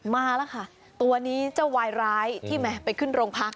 มาแล้วค่ะตัวนี้เจ้าวายร้ายที่แหมไปขึ้นโรงพัก